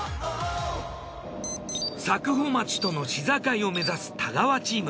佐久穂町との市境を目指す太川チーム。